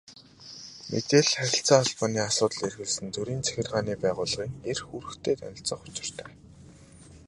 Мэдээлэл, харилцаа холбооны асуудал эрхэлсэн төрийн захиргааны байгууллагын эрх үүрэгтэй танилцах учиртай.